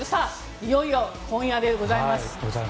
いよいよ今夜でございます。